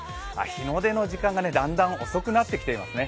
日の出の時間がだんだん遅くなってきていますね。